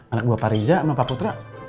anak buah pak riza sama pak putra